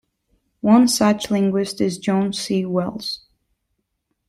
One such linguist is John C. Wells.